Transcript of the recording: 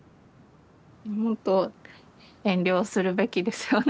もっと遠慮するべきですよね。